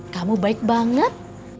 kamu baik banget